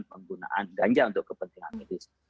penggunaan ganja untuk kepentingan medis